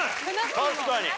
確かに。